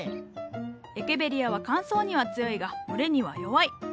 エケベリアは乾燥には強いが蒸れには弱い。